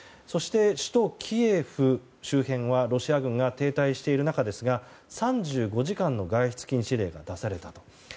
そして、首都キエフ周辺はロシア軍が停滞している中ですが３５時間の外出禁止令が出されたと。